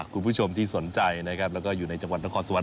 คุณผู้ชมที่สนใจนะครับแล้วก็อยู่ในจังหวัดนครสวรร